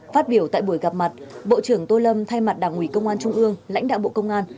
phát biểu tại buổi gặp mặt bộ trưởng tô lâm thay mặt đảng ủy công an trung ương lãnh đạo bộ công an